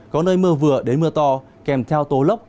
có nơi mưa vừa đến mưa to kèm theo tố lốc